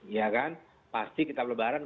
ya kan pasti kita lebaran